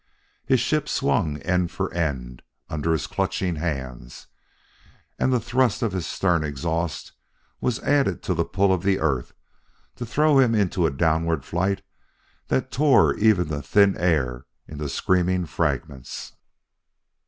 His ship swung end for end under his clutching hands, and the thrust of his stern exhaust was added to the pull of Earth to throw him into a downward flight that tore even the thin air into screaming fragments.